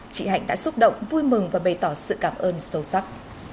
chị hạnh đã xúc động vui mừng và bày tỏ sự cảm ơn sâu sắc